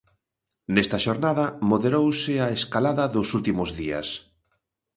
Nesta xornada moderouse a escalada dos últimos días.